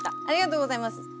ありがとうございます。